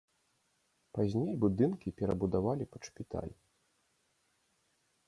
Пазней будынкі перабудавалі пад шпіталь.